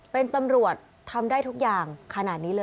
เป็นตำรวจทำได้ทุกอย่างขนาดนี้เลย